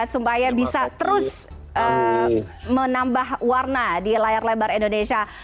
supaya bisa terus menambah warna di layar lebar indonesia